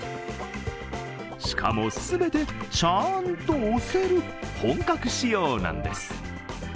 しかも全て、ちゃんと押せる本格仕様なんです。